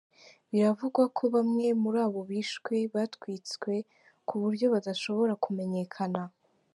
Biravugwa ko bamwe muri abo bishwe batwitswe ku buryo badashobora kumenyekana.